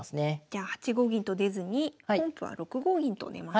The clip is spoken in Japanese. じゃあ８五銀と出ずに本譜は６五銀と出ました。